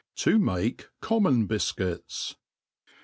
To make common Bifcuits.